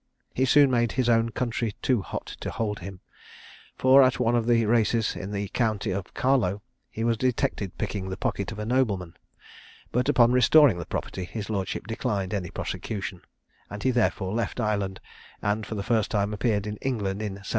He soon made his own country too hot to hold him, for at one of the races in the county of Carlow he was detected picking the pocket of a nobleman; but, upon restoring the property, his lordship declined any prosecution, and he therefore left Ireland, and for the first time appeared in England in 1773.